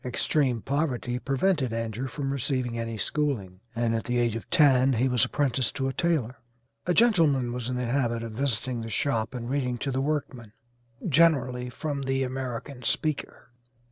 Extreme poverty prevented Andrew from receiving any schooling, and at the age of ten he was apprenticed to a tailor. A gentleman was in the habit of visiting the shop and reading to the workmen, generally from the 'American Speaker.'